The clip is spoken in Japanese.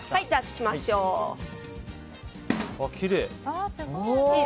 きれい！